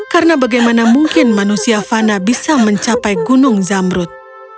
karena bagaimana mungkin manusia fana bisa mencapai gunung zamrud